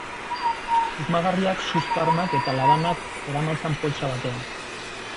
Susmagarriak suzko armak eta labanak zeramatzan poltsa batean.